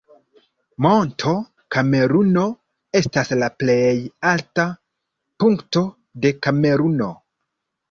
Monto Kameruno estas la plej alta punkto de Kameruno.